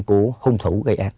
của hùng thủ gây ác